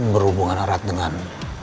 berhubungan erat dengan